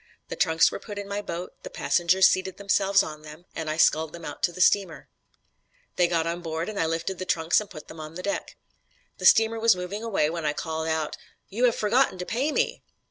The trunks were put in my boat, the passengers seated themselves on them, and I sculled them out to the steamer. They got on board, and I lifted the trunks and put them on deck. The steamer was moving away when I called out: "'You have forgotten to pay me.'